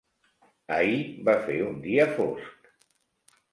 Ahir va fer un dia fosc.